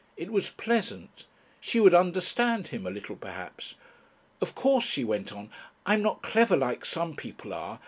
It was pleasant. She would understand him a little perhaps. "Of course," she went on, "I'm not clever like some people are.